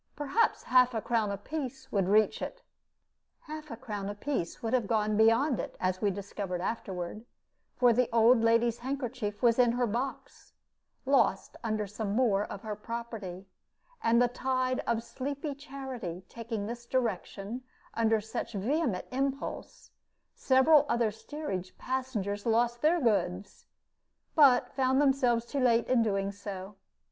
Perhaps half a crown apiece would reach it." Half a crown apiece would have gone beyond it, as we discovered afterward, for the old lady's handkerchief was in her box, lost under some more of her property; and the tide of sleepy charity taking this direction under such vehement impulse, several other steerage passengers lost their goods, but found themselves too late in doing so.